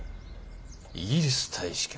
イギリス大使か。